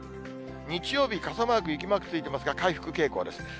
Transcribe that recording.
日曜日、傘マーク、雪マークついてますが、回復傾向です。